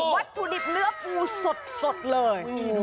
วัตถุดิบเนื้อปูสดเลย